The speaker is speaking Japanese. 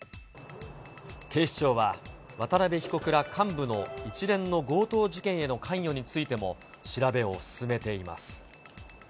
警視庁は、渡辺被告ら幹部の一連の強盗事件への関与についても調べを進めています。